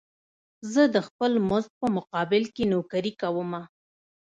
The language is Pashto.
زه د خپل مزد په مقابل کې نوکري کومه.